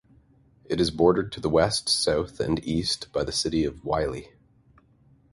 It is bordered to the west, south, and east by the city of Wylie.